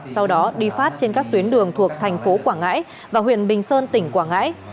sau đó đi phát trên các tuyến đường thuộc thành phố quảng ngãi và huyện bình sơn tỉnh quảng ngãi